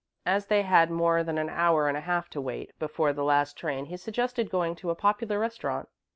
As they had more than an hour and a half to wait, before the last train, he suggested going to a popular restaurant.